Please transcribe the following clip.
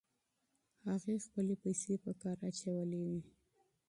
هغې خپلې پیسې په کار اچولې وې.